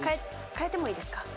変えてもいいですか？